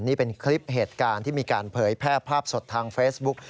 นี่เป็นคลิปเหตุการณ์ที่มีการเผยแพร่ภาพสดทางเฟซบุ๊ก